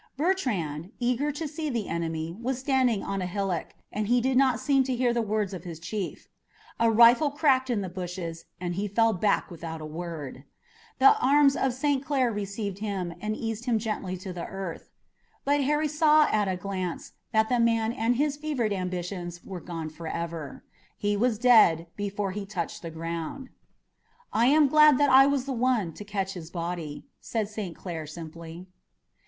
Bertrand, eager to see the enemy, was standing on a hillock, and he did not seem to hear the words of his chief. A rifle cracked in the bushes and he fell back without a word. The arms of St. Clair received him and eased him gently to the earth. But Harry saw at a glance that the man and his fevered ambitions were gone forever. He was dead before he touched the ground. "I'm glad that I was the one to catch his body," said St. Clair simply.